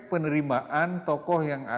penerimaan tokoh yang